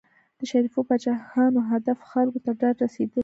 د شریفو پاچاهانو هدف خلکو ته داد رسېدل دي.